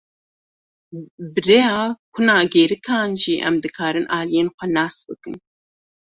Bi rêya kuna gêrîkan jî em dikarin aliyên xwe nas bikin.